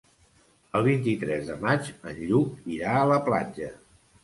El vint-i-tres de maig en Lluc irà a la platja.